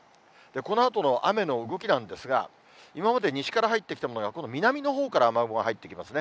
このあとの雨の動きなんですが、今まで西から入ってきたものが、今度、南のほうから雨雲入ってきますね。